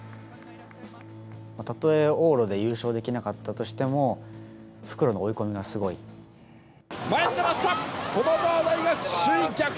たとえ往路で優勝できなかったとしても、復路の追い込みがすごい。前に出ました。